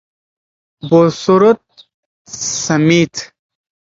بوسورت سمیت :